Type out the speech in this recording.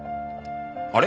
あれ？